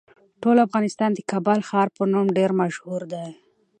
ټول افغانستان د کابل د ښار په نوم ډیر مشهور دی.